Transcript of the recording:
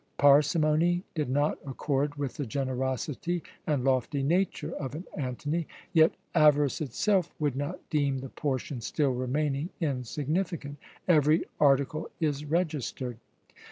Parsimony did not accord with the generosity and lofty nature of an Antony, yet avarice itself would not deem the portion still remaining insignificant. Every article is registered."